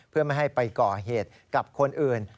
เพื่อไม่ให้ไปก่อเหตุกับคนอื่น